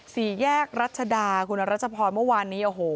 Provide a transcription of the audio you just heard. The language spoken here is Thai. สี่แยกรัชดาคุณรัชพรเมื่อวานนี้โอ้โห